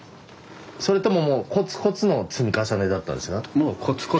それとももうコツコツの積み重ねだったんですか？